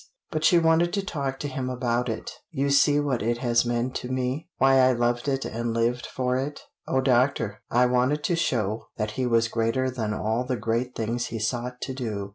But she wanted to talk to him about it. "You see what it has meant to me? Why I loved it and lived for it? Oh doctor I wanted to show that he was greater than all the great things he sought to do!